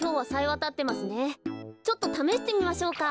ちょっとためしてみましょうか。